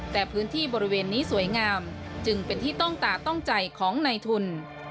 แต่พื้นที่บริเวณนี้สวยงามจึงเป็นที่ต้องตาต้องใจของในทุน